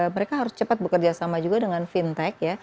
mereka harus cepat bekerja sama juga dengan fintech